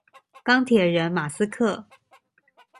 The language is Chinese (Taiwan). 鋼鐵人馬斯克